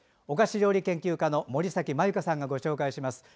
お菓子料理研究家の森崎繭香さんがご紹介します。